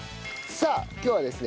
さあ今日はですね